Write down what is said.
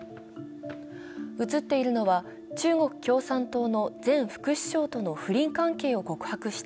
写っているのは、中国共産党の前副首相との不倫関係を告白した